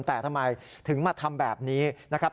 แต่ทำไมถึงมาทำแบบนี้นะครับ